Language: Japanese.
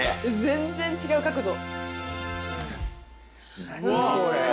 全然違う角度。